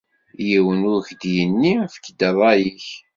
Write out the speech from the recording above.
Yiwen ur k-d-yenni efk-d rray-ik.